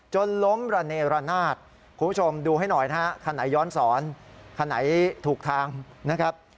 จนล้มระเนรนาศคุณผู้ชมดูให้หน่อยนะฮะคันไหนย้อนสอนคันไหนถูกทางนะครับ